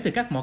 từ các mỏ cát